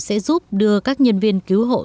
sẽ giúp đưa các nhân viên cứu hộ